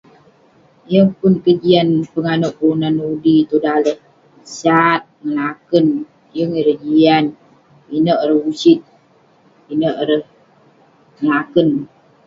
Yeng pun kejian penganuk keluan udi tong daleh sat ngelaken yeng ireh jian pinek ireh usit pinek ireh ngelaken